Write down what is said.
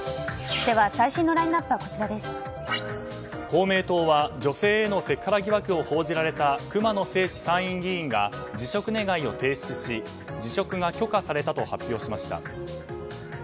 公明党は女性へのセクハラ疑惑を報じられた熊野正士参議院議員が辞職願を提出し辞職が許可されたと発表しました。